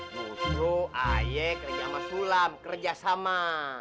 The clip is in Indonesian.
busu haye kerja sama sulam kerjasama